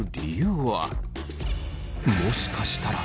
もしかしたら。